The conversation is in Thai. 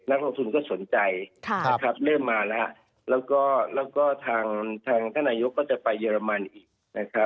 ลงทุนก็สนใจเริ่มมาแล้วแล้วก็ทางท่านนายกก็จะไปเยอรมันอีกนะครับ